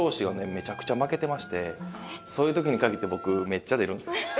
めちゃくちゃ負けてましてそういう時に限って僕めっちゃ出るんですよ。